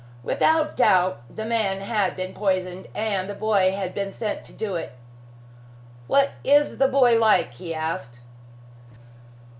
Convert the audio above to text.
Without doubt, the man had been poisoned, and the boy had been sent to do it. "What is the boy like?" he asked.